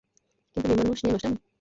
কিন্তু মেয়ে মানুষ নিয়ে নষ্টামি?